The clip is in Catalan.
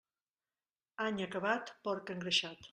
Any acabat, porc engreixat.